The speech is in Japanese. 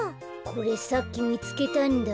これさっきみつけたんだ。